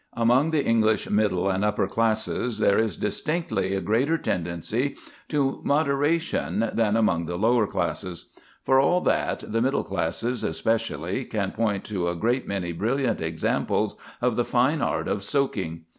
Among the English middle and upper classes there is distinctly a greater tendency to moderation than among the lower classes. For all that, the middle classes especially can point to a great many brilliant examples of the fine art of soaking.